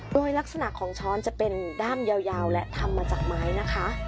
โดยลักษณะของช้อนจะเป็นด้ามยาวและทำมาจากไม้นะคะ